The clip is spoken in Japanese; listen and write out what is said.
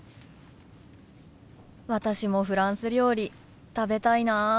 私もフランス料理食べたいな。